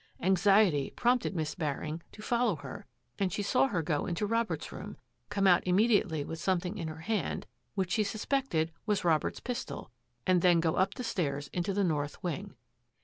Anxiety prompted Miss Baring to follow her and she saw her go into Robert's room, come out immediately with some thing in her hand which she suspected was Robert's pistol, and then go up the stairs into the north wing.